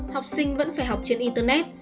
học sinh vẫn phải học trên internet